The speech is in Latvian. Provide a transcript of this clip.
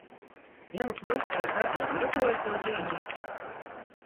Ja nu puisis ar gredzenu viltoja to zīmīti?